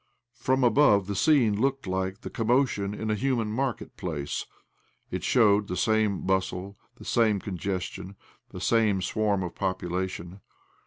From above, the scene looked like the commotion in a human market place— it showed the same bustle, the same congestion, the same swarm of population.